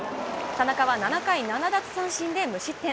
田中は７回７奪三振で無失点。